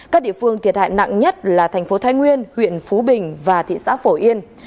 các địa phương thiệt hại nặng nhất là thành phố thái nguyên huyện phú bình và thị xã phổ yên